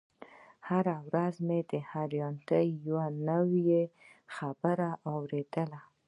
هره ورځ مې د حيرانتيا يوه نوې خبره اورېدله.